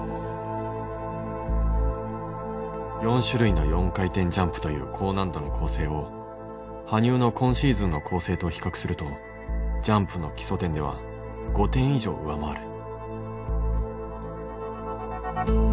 ４種類の４回転ジャンプという高難度の構成を羽生の今シーズンの構成と比較するとジャンプの基礎点では５点以上上回る。